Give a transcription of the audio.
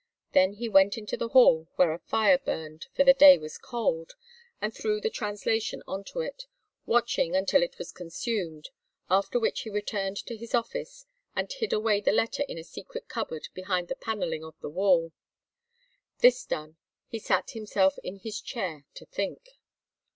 Then he went into the hall, where a fire burned, for the day was cold, and threw the translation on to it, watching until it was consumed, after which he returned to his office, and hid away the letter in a secret cupboard behind the panelling of the wall. This done, he sat himself in his chair to think.